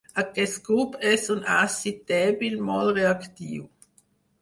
Aquest grup és un àcid dèbil molt reactiu.